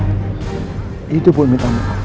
hidup buat minta maaf